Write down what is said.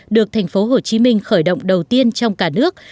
được thành phố hồ chí minh khởi động đầu tiên trong cả nước